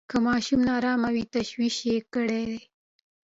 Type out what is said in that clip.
که ماشوم نا آرامه وي، تشویق یې کړئ.